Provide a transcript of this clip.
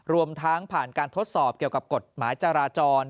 รวมทั้งผ่านการทดสอบเกี่ยวกับกฎหมายจราจร